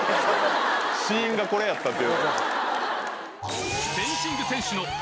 死因がこれやったって。